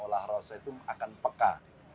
olah roso itu akan peka